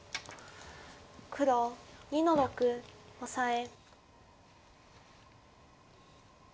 黒２の六オサエ。